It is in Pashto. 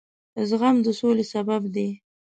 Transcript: زغم د سولې سبب دی.